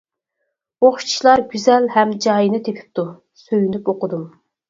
ئوخشىتىشلار گۈزەل ھەم جايىنى تېپىپتۇ، سۆيۈنۈپ ئوقۇدۇم.